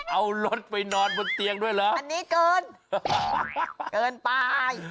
เอารถไปนอนบนเตียงด้วยเหรออันนี้เกินเกินไป